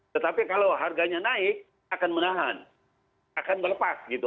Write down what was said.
tetapi kalau harganya naik akan menahan akan melepas gitu